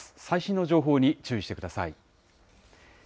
最新の情報に注意してください。